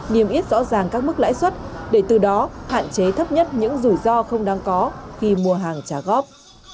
niêm yết rõ ràng các mức lãi suất để từ đó hạn chế thấp nhất những rủi ro không đáng có khi mua hàng trả góp